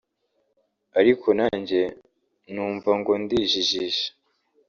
Ariko nanjye numva ngo ndijijisha